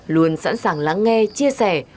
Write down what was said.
luôn sẵn sàng lắng nghe chia sẻ